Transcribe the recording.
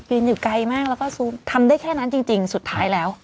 อยู่ไกลมากแล้วก็ทำได้แค่นั้นจริงสุดท้ายแล้ว